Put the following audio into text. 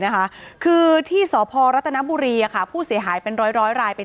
อ๋อเจ้าสีสุข่าวของสิ้นพอได้ด้วย